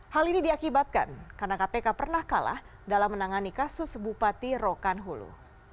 hal ini diakibatkan karena kpk pernah kalah dalam menangani kasus bupati rokan hulu